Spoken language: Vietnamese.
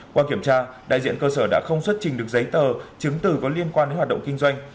qua kiểm tra đại diện cơ sở đã không xuất trình được giấy tờ chứng từ có liên quan đến hoạt động kinh doanh